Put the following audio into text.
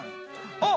あっ！